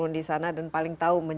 terima kasih pakscreen